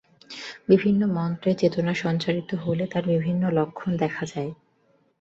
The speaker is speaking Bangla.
বিভিন্ন মন্ত্রে চেতনা সঞ্চারিত হলে তার বিভিন্ন লক্ষণ দেখা যায়।